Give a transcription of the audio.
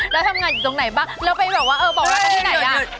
แล้วทำงานอยู่ตรงไหนบ้างแล้วไปแบบว่าเออบอกรักกันที่ไหนอ่ะ